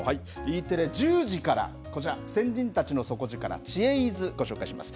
Ｅテレ１０時からこちら、先人たちの底力知恵泉、ご紹介します。